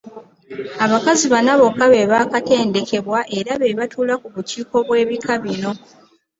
Abakazi bana bokka be baakatendekebwa era be batuula ku bukiiko bw’ebika bino.